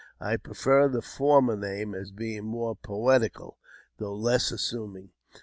I prefer the former name, as being more poetical, though less assuming.